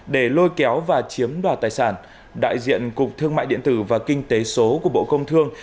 để lôi kéo và chiếm đoạt tài sản đại diện cục thương mại điện tử và kinh tế số của bộ công thương